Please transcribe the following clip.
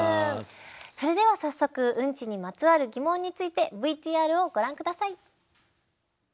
それでは早速ウンチにまつわる疑問についてＶＴＲをご覧下さい。